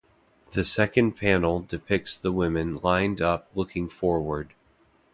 The second panel depicts the women lined up looking forward.